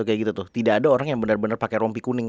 kayak gitu tuh tidak ada orang yang benar benar pakai rompi kuning